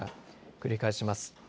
繰り返します。